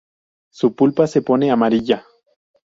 Su pulpa se pone amarilla.